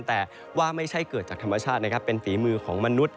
แต่ว่าไม่ใช่เกิดจากธรรมชาตินะครับเป็นฝีมือของมนุษย